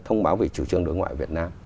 thông báo về chủ trương đối ngoại việt nam